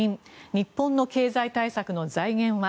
日本の経済対策の財源は。